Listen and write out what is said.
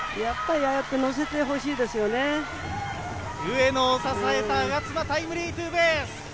やっぱりああやって乗せてほ上野を支えた我妻、タイムリーツーベース。